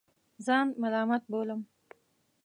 ځان ملامت بولم.